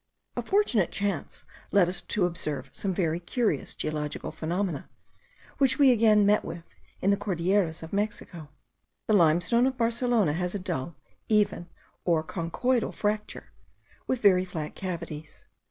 A fortunate chance led us to observe some very curious geological phenomena, which we again met with in the Cordilleras of Mexico. The limestone of Barcelona has a dull, even, or conchoidal fracture, with very flat cavities.